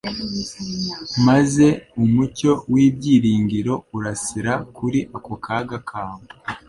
maze umucyo w'ibyiringiro urasira kuri ako kaga kabo.